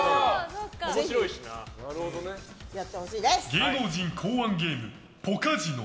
芸能人考案ゲームポカジノ。